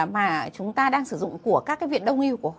mà chúng ta đang sử dụng của các cái viện đông y